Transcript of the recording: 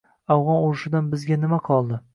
Afgʻon urushidan bizga nima qoldi?